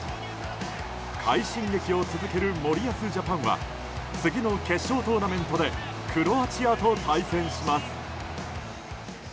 快進撃を続ける森保ジャパンは次の決勝トーナメントでクロアチアと対戦します。